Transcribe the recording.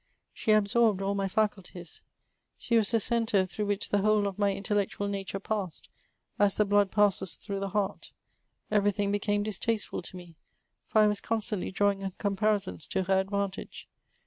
She absorbed all my £hculties ; she was the centre through which the whole of my intellectual nature passed, as the blood passes through the heart ; every thing became distasteful to me, for I was constantly drawing comparisons to her advantage.